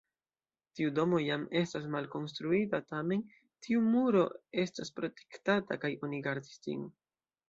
Tiu domo jam estas malkonstruita, tamen tiu muro estas protektata kaj oni gardis ĝin.